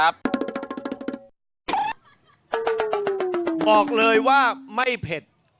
บอกเลยว่าไม่เผ็ด